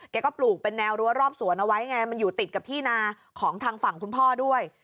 แกก็ปลูกเป็นแนวรั้วรอบสวนเอาไว้ไงมันอยู่ติดกับที่นาของทางฝั่งคุณพ่อด้วย